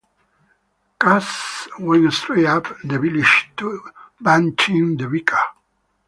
Cuss went straight up the village to Bunting the vicar.